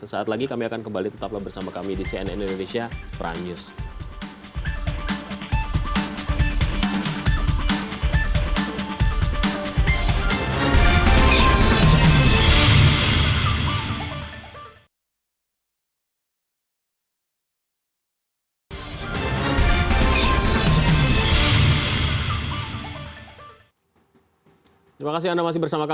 saat lagi kami akan kembali tetaplah bersama kami di cnn indonesia pranews